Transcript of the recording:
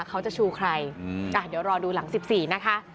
เขาจะชูใครเดี๋ยวรอดูหลัง๑๔นะคะ